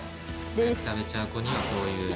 早く食べちゃう子にはこういう。